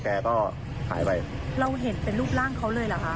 แกก็หายไปเราเห็นเป็นรูปร่างเขาเลยเหรอคะ